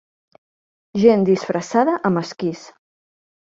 Gent disfressada amb esquís.